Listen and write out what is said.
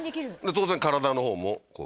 当然体の方もこう。